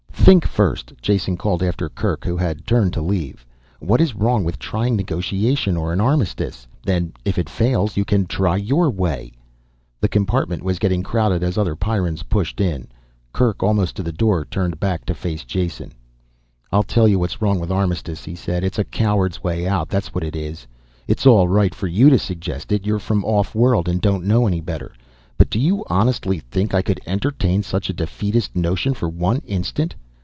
"Think first," Jason called after Kerk, who had turned to leave. "What is wrong with trying negotiation or an armistice? Then, if that fails, you can try your way." The compartment was getting crowded as other Pyrrans pushed in. Kerk, almost to the door, turned back to face Jason. "I'll tell you what's wrong with armistice," he said. "It's a coward's way out, that's what it is. It's all right for you to suggest it, you're from off world and don't know any better. But do you honestly think I could entertain such a defeatist notion for one instant?